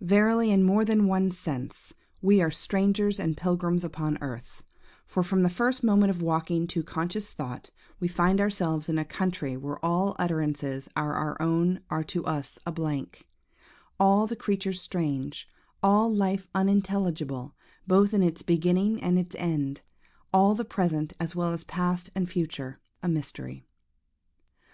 Verily, in more than one sense, we are "strangers and pilgrims upon earth;" for, from the first moment of waking to conscious thought, we find ourselves in a country where all utterances but our own are to us a blank; all the creatures strange; all life unintelligible, both in its beginning and its end: all the present, as well as the past and future, a mystery.